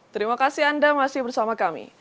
terima kasih anda masih bersama kami